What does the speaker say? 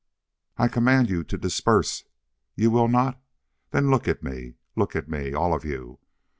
"I command you to disperse. You will not? Then look at me! Look at me, all of you.